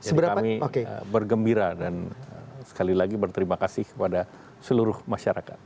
jadi kami bergembira dan sekali lagi berterima kasih kepada seluruh masyarakat